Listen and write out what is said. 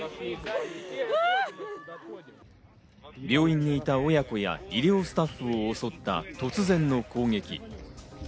病院にいた親子や医療スタッフを襲った突然の攻撃。